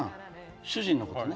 主人のことね。